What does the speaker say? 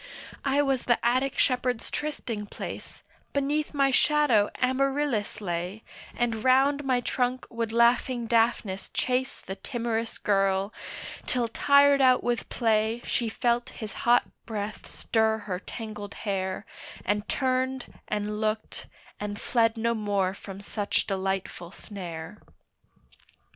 I was the Attic shepherd's trysting place, Beneath my shadow Amaryllis lay, And round my trunk would laughing Daphnis chase The timorous girl, till tired out with play She felt his hot breath stir her tangled hair, And turned, and looked, and fled no more from such delightful snare.